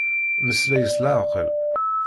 Meslay s leɛqel.